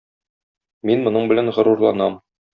Мин моның белән горурланам.